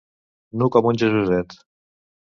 Nu com un Jesuset.